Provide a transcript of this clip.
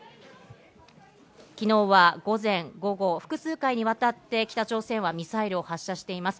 昨日は午前、午後、複数回にわたって北朝鮮はミサイルを発射しています。